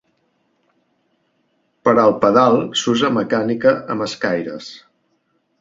Per al Pedal s'usa mecànica amb escaires.